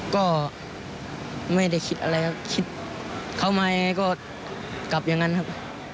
ก็ไม่ได้คิดอะไรครับคิดเขามายังไงก็กลับอย่างนั้นครับ